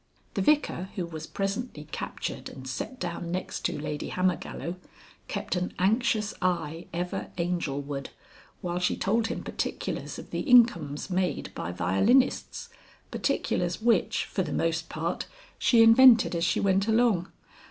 The Vicar, who was presently captured and set down next to Lady Hammergallow, kept an anxious eye ever Angelward while she told him particulars of the incomes made by violinists particulars which, for the most part, she invented as she went along.